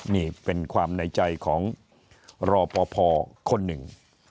นี่เป็นความในใจของรอปภคนหนึ่ง